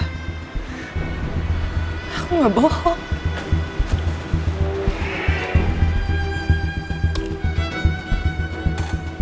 enggak aku gak bohong pak